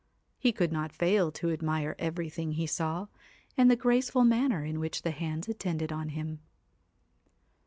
He could not fail to admire everything he saw, and the graceful manner in which the hands attended on him.